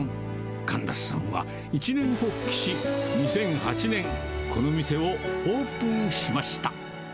カンラスさんは一念発起し、２００８年、この店をオープンしました。